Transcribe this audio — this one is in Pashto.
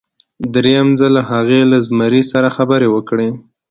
دریم ځل هغې له زمري سره خبرې وکړې.